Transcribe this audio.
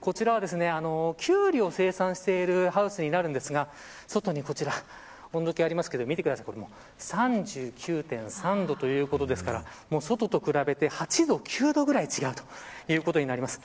こちらはキュウリを生産しているハウスになるんですが外にこちら温度計ありますけど３９．３度ということで外と比べて８度、９度くらい違うということになります。